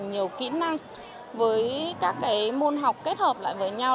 rất là nhiều kỹ năng với các cái môn học kết hợp lại với nhau